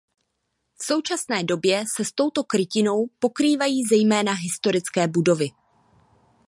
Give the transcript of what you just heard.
V současné době se s touto krytinou pokrývají zejména historické budovy.